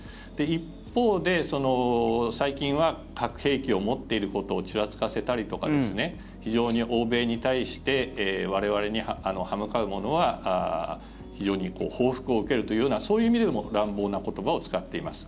一方で、最近は核兵器を持っていることをちらつかせたりとか非常に欧米に対して我々に刃向かうものは非常に報復を受けるというようなそういう意味でも乱暴な言葉を使っています。